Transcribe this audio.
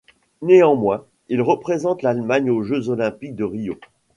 Néanmoins, il représente l'Allemagne aux Jeux olympiques de Rio.